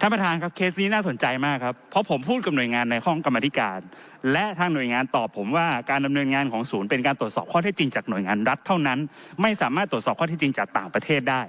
ท่านประธานครับเคสนี้น่าสนใจมากครับเพราะผมพูดกับหน่วยงานในห้องกรรมธิการและทางหน่วยงานตอบผมว่าการดำเนินงานของศูนย์เป็นการตรวจสอบข้อเท็จจริงจากหน่วยงานรัฐเท่านั้นไม่สามารถตรวจสอบข้อที่จริงจากต่างประเทศได้